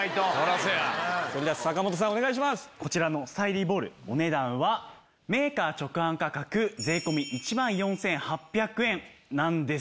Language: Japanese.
こちらのスタイリーボールお値段はメーカー直販価格税込１万４８００円なんですが。